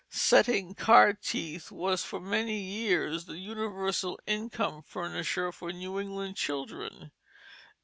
Setting card teeth was for many years the universal income furnisher for New England children.